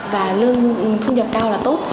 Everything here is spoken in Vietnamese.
và lương thu nhập cao là tốt